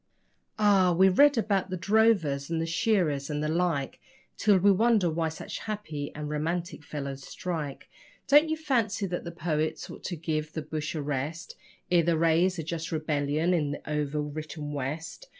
Ah! we read about the drovers and the shearers and the like Till we wonder why such happy and romantic fellows strike. Don't you fancy that the poets ought to give the bush a rest Ere they raise a just rebellion in the over written West?